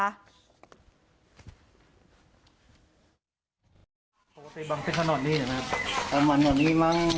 ไปบังเทศักนอนนี้จะมั่งอันวันเหลียนนี้มั่ง